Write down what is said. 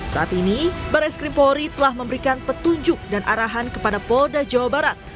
saat ini barreskrim polri telah memberikan petunjuk dan arahan kepada polda jawa barat